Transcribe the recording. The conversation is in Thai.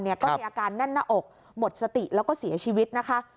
ก็มีอาการแน่นหน้าอกหมดสติแล้วก็เสียชีวิตนะคะ